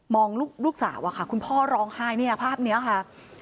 ลูกสาวอะค่ะคุณพ่อร้องไห้เนี่ยภาพนี้ค่ะ